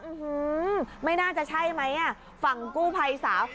อื้อหือไม่น่าจะใช่ไหมฝั่งกู้ภัยสาว